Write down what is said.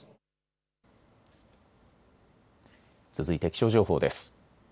続いて気象情報です。